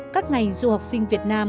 các ngành du học sinh việt nam